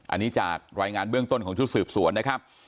อันนี้จากรายงานเบื้องต้นของชุดสืบสวนนะครับ